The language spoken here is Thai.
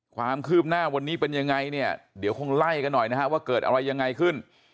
ความคืบหน้าวันนี้เป็นยังไงเนี่ยเดี๋ยวคงไล่กันหน่อยนะฮะว่าเกิดอะไรยังไงขึ้น